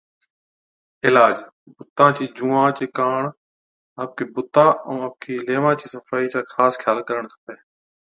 عِلاج، بُتا چِيا جُوئان چي ڪاڻ آپڪي بُتا ائُون آپڪي ليوان چِي صفائِي چا خاص خيال ڪرڻ کپَي۔